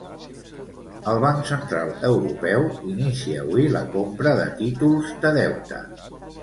El Banc Central Europeu inicia avui la compra de títols de deute.